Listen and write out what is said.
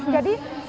jadi saya menulis